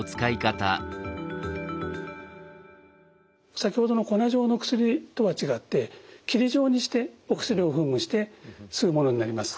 先ほどの粉状の薬とは違って霧状にしてお薬を噴霧して吸うものになります。